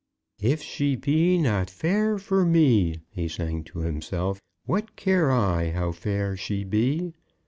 "If she be not fair for me," he sang to himself, "what care I how fair she be?"